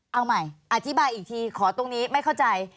เอาใหม่อธิบายอีกทีขอตรงนี้ไม่เข้าใจ